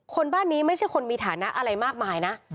บ้านนี้ไม่ใช่คนมีฐานะอะไรมากมายนะ